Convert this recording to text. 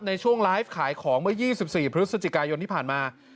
ในช่วงไลฟ์ขายของเมื่อ๒๔พฤศจิกายนที่ผ่านมา